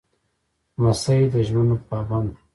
لمسی د ژمنو پابند وي.